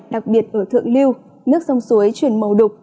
đặc biệt ở thượng lưu nước sông suối chuyển màu đục